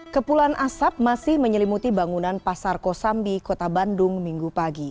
kepulan asap masih menyelimuti bangunan pasar kosambi kota bandung minggu pagi